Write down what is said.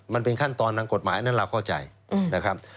มันเป็นขั้นตอนทางกฎหมายอันนั้นเราเข้าใจนะครับ